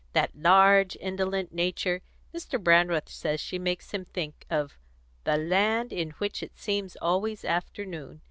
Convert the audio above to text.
That large, indolent nature; Mr. Brandreth says she makes him think of 'the land in which it seemed always afternoon.'"